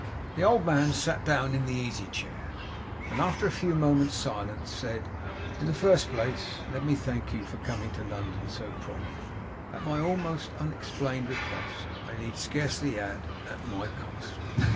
The old man sat down in the easy chair, and after a few moments' silence, said: 'In the first place, let me thank you for coming to London so promptly, at my almost unexplained request; I need scarcely add, at my cost.